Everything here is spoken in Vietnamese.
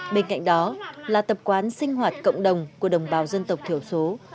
bên cạnh đó là tập quán sinh hoạt cộng đồng của đồng bào dân tộc thiểu số